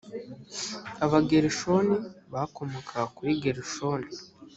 abagerishoni bakomokaga kuri gerishoni;